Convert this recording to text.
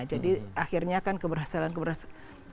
jadi akhirnya kan keberhasilan keberhasilan